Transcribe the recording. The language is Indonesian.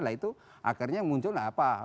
nah itu akhirnya muncul apa